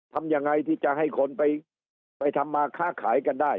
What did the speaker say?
ทำยังไงที่จะให้คนไปทำมาค้าขายกันได้